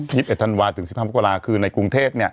ใช่ครับ๒๑ธันวาสถานีถึง๑๕มกราศคือในกรุงเทพ